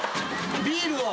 ビールを。